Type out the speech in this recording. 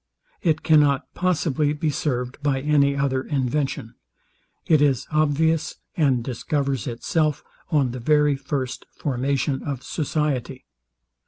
It cannot possibly be served by any other invention. It is obvious, and discovers itself on the very first formation of society.